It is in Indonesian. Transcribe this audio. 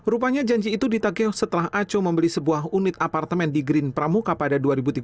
rupanya janji itu ditakeh setelah aco membeli sebuah unit apartemen di green pramuka pada dua ribu tiga belas